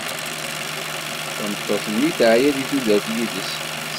Tameṭṭut-nni teɛya deg tudert yid-s.